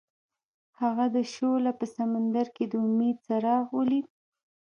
هغه د شعله په سمندر کې د امید څراغ ولید.